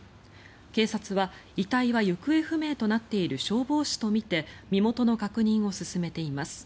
警察は遺体は行方不明となっている消防士とみて身元の確認を進めています。